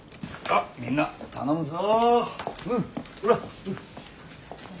みんな頼むぞ。